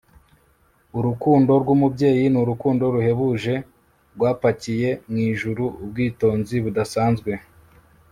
urukundo rwumubyeyi nurukundo ruhebuje rwapakiye mwijuru ubwitonzi budasanzwe